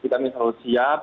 kita ini selalu siap